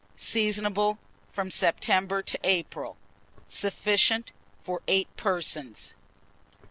Seasonable from September to April. Sufficient for 8 persons.